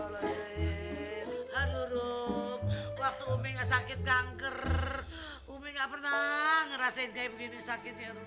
waktu umi gak sakit kanker umi gak pernah ngerasain kayak begini sakit ya ruf